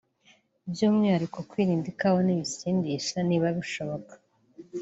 by’umwihariko kwirinda ikawa n’ibisindisha niba bishoboka